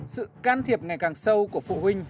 sự can thiệp ngày càng sâu của phụ huynh